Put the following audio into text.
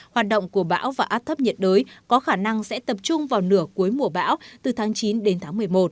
hoạt động của bão và áp thấp nhiệt đới có khả năng sẽ tập trung vào nửa cuối mùa bão từ tháng chín đến tháng một mươi một